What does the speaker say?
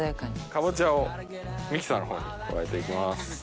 かぼちゃをミキサーの方に加えていきます。